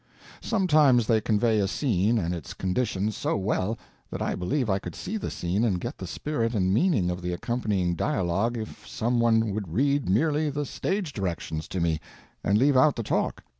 Sometimes they convey a scene and its conditions so well that I believe I could see the scene and get the spirit and meaning of the accompanying dialogue if some one would read merely the stage directions to me and leave out the talk.